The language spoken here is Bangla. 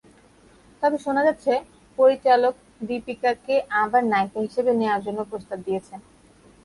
তবে শোনা যাচ্ছে, পরিচালক দীপিকাকে আবার নায়িকা হিসেবে নেওয়ার জন্য প্রস্তাব দিয়েছেন।